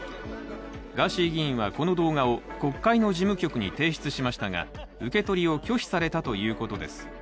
ガーシー議員はこの動画を国会の事務局に提出しましたが、受け取りを拒否されたということです。